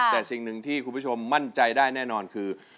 แต่สิ่งหนึ่งที่คุณผู้ชมมั่นใจได้แน่นอนคือ